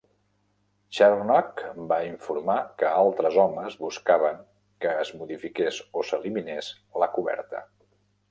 Chernock va informar que altres homes buscaven que es modifiqués o s'eliminés la coberta.